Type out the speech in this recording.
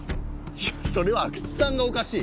いやそれは阿久津さんがおかしい。